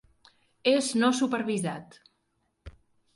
És no supervisat.